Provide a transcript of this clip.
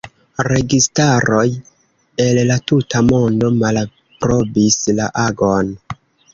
Registaroj el la tuta mondo malaprobis la agon.